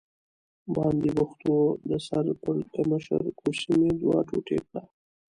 باندې بوخت و، د سر پړکمشر کوسۍ مې دوه ټوټې کړه.